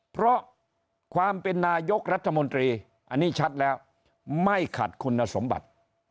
เพราะความเป็นนายกรัฐมนตรีอันนี้ชัดแล้วไม่ขัดคุณสมบัติ